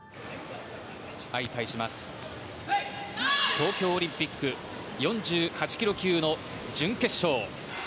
東京オリンピック４８ｋｇ級の準決勝。